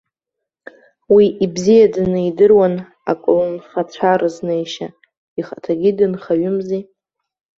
Уи ибзиаӡаны идыруан аколнхацәа рызнеишьа ихаҭагьы дынхаҩымзи!